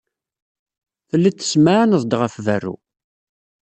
Telliḍ tessemɛaneḍ-d ɣef berru.